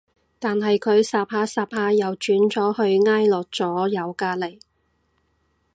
但係佢恰下恰下又轉咗去挨落咗右隔離